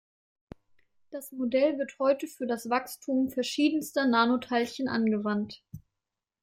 Das Modell wird heute für das Wachstum verschiedenster Nanoteilchen angewandt.